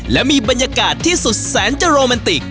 และมีบรรยากาศที่สุดแสนจะโรแมนติก